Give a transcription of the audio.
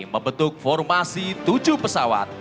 memetuk formasi tujuh pesawat